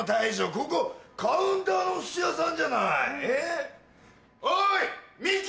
ここカウンターのお寿司屋さんじゃないえぇ？おい美姫！